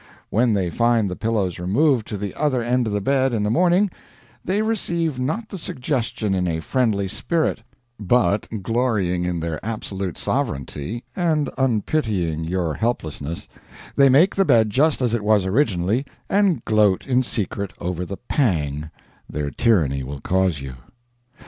When they find the pillows removed to the other end of the bed in the morning, they receive not the suggestion in a friendly spirit; but, glorying in their absolute sovereignty, and unpitying your helplessness, they make the bed just as it was originally, and gloat in secret over the pang their tyranny will cause you.